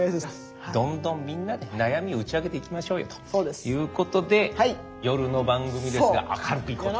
どんどんみんなで悩みを打ち明けていきましょうよということで夜の番組ですが明るくいこうと。